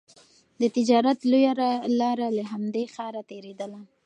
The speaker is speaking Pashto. د تجارت لویه لاره له همدې ښاره تېرېدله.